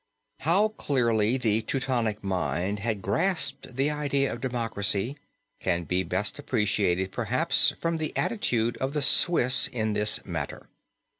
How clearly the Teutonic mind had grasped the idea of democracy can be best appreciated perhaps from the attitude of the Swiss in this matter.